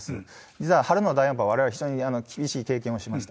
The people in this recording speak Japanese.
実は春の第４波、われわれ、非常に厳しい経験をしました。